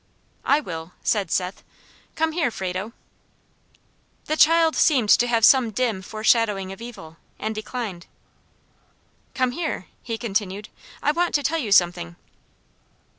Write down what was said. "I will," said Seth. "Come here, Frado?" The child seemed to have some dim foreshadowing of evil, and declined. "Come here," he continued; "I want to tell you something."